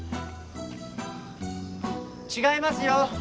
違いますよ。